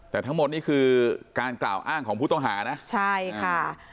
แต่ทั้งหมดนี่คือการกล่าวอ้างของผู้ต้องหานะใช่ค่ะ